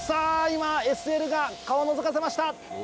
今ＳＬが顔をのぞかせました。